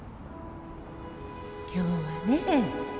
今日はね